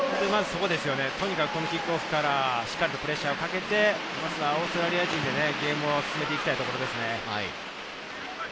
とにかくこのキックオフからしっかりプレッシャーをかけて、オーストラリア陣でゲームを進めていきたいですね。